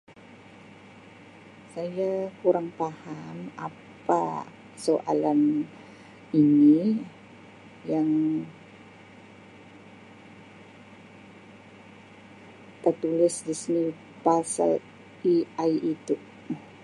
Saya kurang paham apa soalan ini yang tertulis di sini pasal AI itu.